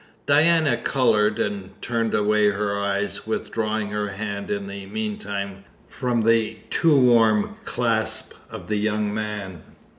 Diana coloured and turned away her eyes, withdrawing her hand in the meantime from the too warm clasp of the young man.